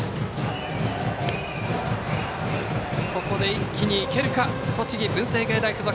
ここで一気にいけるか栃木・文星芸大付属。